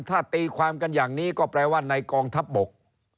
ถ้าตีความกันอย่างนี้ก็แปลว่าในกองทัพบก